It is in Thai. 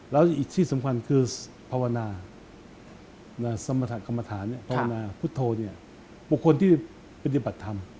แล้วอีกที่สำคัญคือภาวนาสมฐานภาวนาพุทธโธบุคคลที่ปฏิบัติธรรม